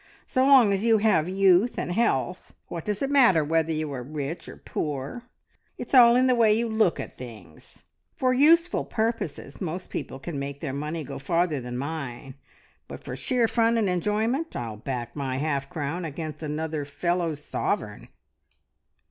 So long as you have youth and health, what does it matter whether you are rich or poor? It's all in the way you look at things. For useful purposes, most people can make their money go farther than mine, but for sheer fun and enjoyment I'll back my half crown against another fellow's sovereign!"